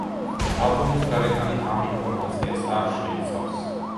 ალბომის გარეკანი ამ ინფორმაციას არ შეიცავს.